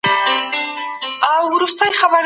تاسو د هېواد د ودانولو لپاره راوړاندې شئ.